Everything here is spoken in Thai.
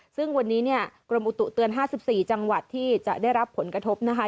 ซึ่งวันนี้เนี่ยกรมอุตุเตือน๕๔จังหวัดที่จะได้รับผลกระทบนะคะ